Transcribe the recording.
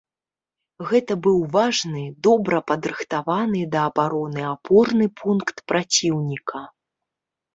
Гэта быў важны, добра падрыхтаваны да абароны апорны пункт праціўніка.